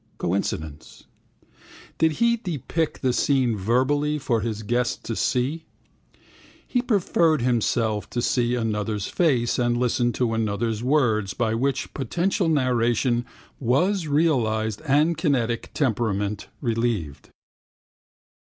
Coincidence. Did he depict the scene verbally for his guest to see? He preferred himself to see another's face and listen to another's words by which potential narration was realised and kinetic temperament relieved.